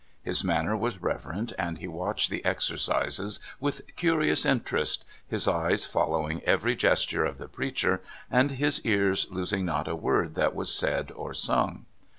His manner was reverent, and he watched the exercises with curious interest, his eyes following ever}^ gesture of the preacher, and his ears losing not a word that was said or sung.